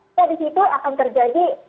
nah disitu akan terjadi